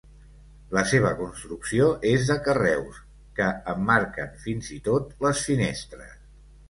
La seva construcció és de carreus, que emmarquen fins i tot les finestres.